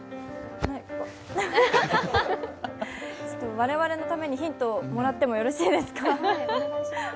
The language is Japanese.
我々のためにヒントをもらってもよろしいですか。